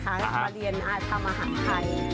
มาเรียนทำอาหารไทย